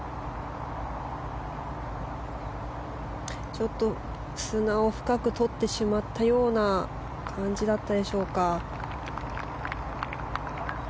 ちょっと砂を深くとってしまったような感じだったでしょうか。